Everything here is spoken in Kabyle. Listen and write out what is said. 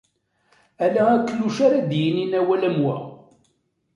Ala akluc ara d-yinin awal am wa.